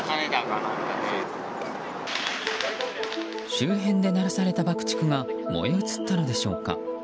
周辺で鳴らされた爆竹が燃え移ったのでしょうか。